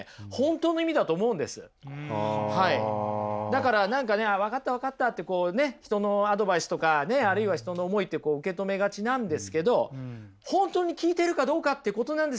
だから何かね分かった分かったってこうね人のアドバイスとかねあるいは人の思いってこう受け止めがちなんですけど本当に聞いてるかどうかってことなんですよね！